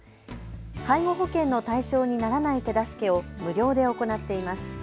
介護保険の対象にならない手助けを無料で行っています。